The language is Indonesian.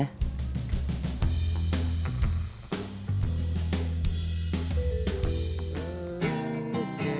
udah ngerti tugasnya